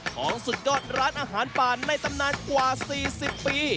สุดยอดร้านอาหารป่านในตำนานกว่า๔๐ปี